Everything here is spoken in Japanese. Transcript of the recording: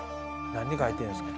何書いてんすか？